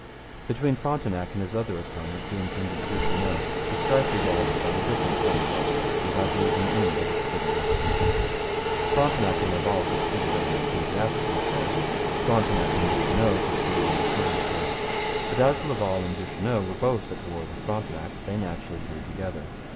Between Frontenac and his other opponent, the intendant Duchesneau, the strife revolved about a different set of questions without losing any of its bitterness. Frontenac and Laval disputed over ecclesiastical affairs. Frontenac and Duchesneau disputed over civil affairs. But as Laval and Duchesneau were both at war with Frontenac they naturally drew together.